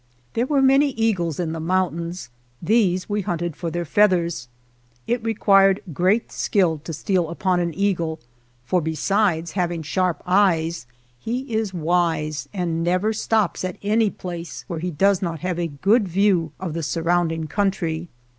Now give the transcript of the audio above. There were many eagles in the mountains. These we hunted for their feathers. It re quired great skill to steal upon an eagle, for besides having sharp eyes, he is wise and never stops at any place where he does not have a good view of the surrounding country.